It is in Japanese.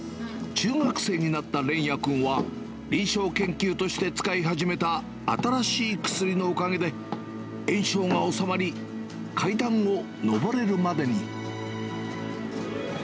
中学生になった連也君は、臨床研究として使い始めた新しい薬のおかげで、炎症が収まり、階段を上れるまでに。